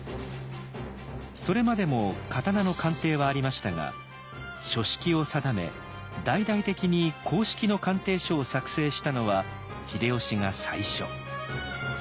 それまでも刀の鑑定はありましたが書式を定め大々的に公式の鑑定書を作成したのは秀吉が最初。